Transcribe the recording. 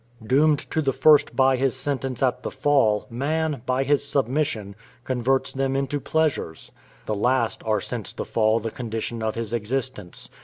Doomed to the first by his sentence at the fall, man, by his submission, converts them into pleasures. The last are since the fall the condition of his existence.